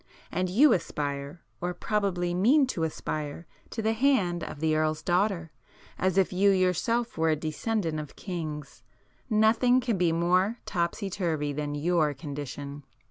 And you aspire, or probably mean to aspire to the hand of the Earl's daughter, as if you yourself were a descendant of kings. Nothing can be more topsy turvey than your condition!"